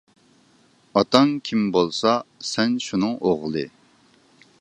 ئاتاڭ كىم بولسا، سەن شۇنىڭ ئوغلى.